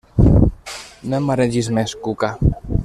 No em maregis més, Cuca!